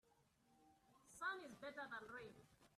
Sun is better than rain.